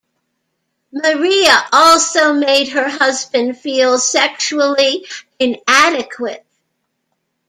Maria also made her husband feel sexually inadequate.